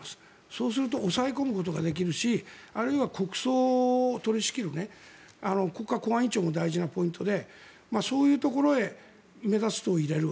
そうすると抑え込むことができるしあるいは国葬を取り仕切る国家公安委員長も大事なポイントでそういうところで入れる。